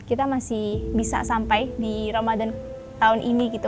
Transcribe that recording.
kita masih bisa sampai di ramadan tahun ini gitu